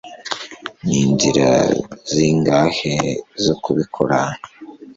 ni inzira zingahe zo kubikora